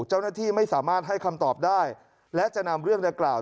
เจ้าหน้าที่ไม่สามารถให้คำตอบได้และจะนำเรื่องดังกล่าว